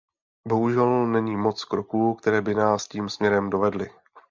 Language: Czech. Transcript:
Bohužel není moc kroků, které by nás tím směrem dovedly.